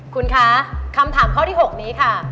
คุณคะคำถามข้อที่๖นี้ค่ะ